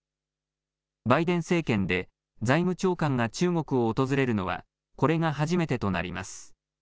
バイデン政権で財務長官が中国を訪れるのはこれが初めてとなります。